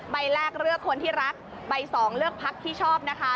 ใบแรกเลือกคนที่รักใบสองเลือกพักที่ชอบนะคะ